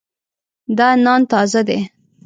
دا نان تازه دی.